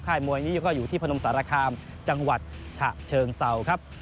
มวยนี้ก็อยู่ที่พนมสารคามจังหวัดฉะเชิงเศร้าครับ